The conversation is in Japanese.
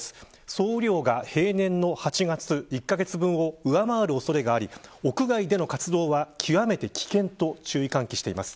総雨量が平年の８月１カ月分を上回る恐れがあり屋外での活動は極めて危険と注意喚起しています。